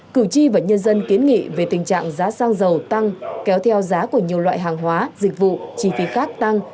cử tri và nhân dân kiến nghị về tình trạng giá xăng dầu tăng kéo theo giá của nhiều loại hàng hóa dịch vụ chi phí khác tăng